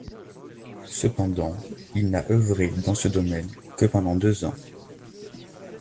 Cependant, il n'a œuvré dans ce domaine que pendant deux ans.